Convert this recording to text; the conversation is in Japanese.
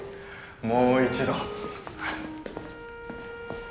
もう一度。